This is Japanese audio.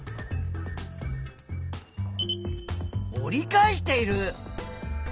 折り返している！